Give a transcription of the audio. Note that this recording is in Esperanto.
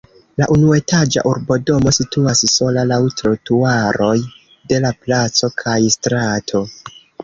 La unuetaĝa urbodomo situas sola laŭ trotuaroj de la placo kaj strato.